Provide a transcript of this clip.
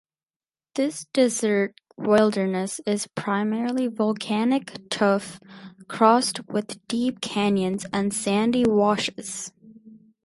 This desert wilderness is primarily volcanic tuff crossed with deep canyons and sandy washes.